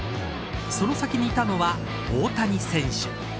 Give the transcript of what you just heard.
その先にいたのは大谷選手。